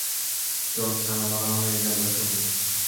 চোখ ছানাবড়া হয়ে গেল শুনে!